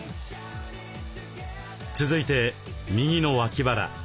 続いて右の脇腹。